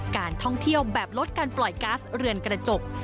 การท่องเที่ยวแบบลดการปล่อยก๊าซเรือนกระจก